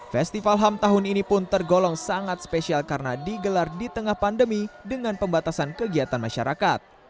festival ham tahun ini pun tergolong sangat spesial karena digelar di tengah pandemi dengan pembatasan kegiatan masyarakat